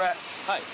はい。